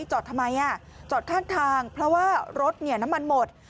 จอดทำไมจอดข้างทางเพราะว่ารถน้ำมันหมด